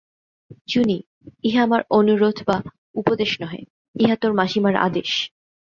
চুনি, ইহা আমার অনুরোধ বা উপদেশ নহে, ইহা তোর মাসিমার আদেশ।